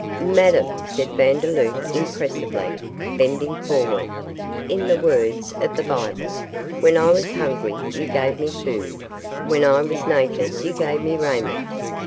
'Madame,' said Vandeloup, impressively, bending forward, 'in the words of the Bible when I was hungry you gave me food; when I was naked you gave me raiment.